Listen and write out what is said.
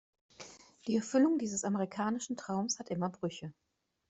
Die Erfüllung dieses amerikanischen Traums hat immer Brüche.